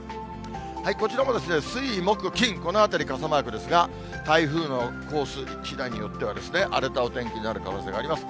こちらも水、木、金、このあたり、傘マークですが、台風のコースしだいによっては、荒れたお天気になる可能性があります。